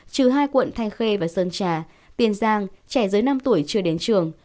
trừ hai quận thanh khê và sơn trà tiền giang trẻ dưới năm tuổi chưa đến trường